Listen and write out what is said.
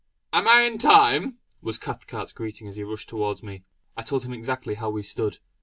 "Am I in time?" was Cathcart's greeting as he rushed towards me. I told him exactly how we stood.